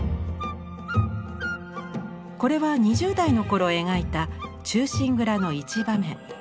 これは２０代の頃描いた「忠臣蔵」の一場面。